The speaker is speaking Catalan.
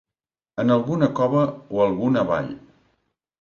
En alguna cova o alguna vall.